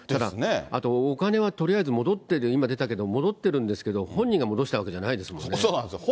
お金はとりあえず戻ってると今出たけど、戻ってるんですけど、本人が戻したわけじゃないですもそうなんですよ。